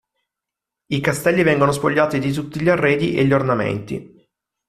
I castelli vengono spogliati di tutti gli arredi e gli ornamenti.